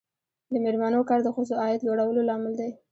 د میرمنو کار د ښځو عاید لوړولو لامل دی.